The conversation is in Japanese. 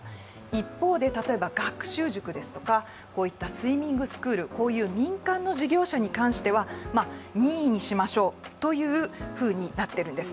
一方で、例えば学習塾ですとかスイミングスクール、こういう民間の事業者に対しては任意にしましょうというふうになっているんです。